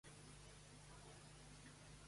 Com estan els preus de les accions de Bayer?